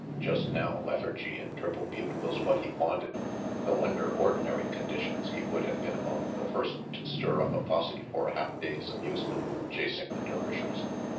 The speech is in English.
Just now lethargy in Triple Butte was what he wanted, though under ordinary conditions he would have been among the first to stir up a posse for a half day's amusement chasing the Dervishers.